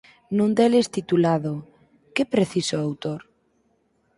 Nun deles titulado "Que precisa o autor?